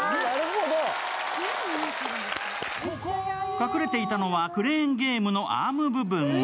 隠れていたのはクレーンゲームのアーム部分。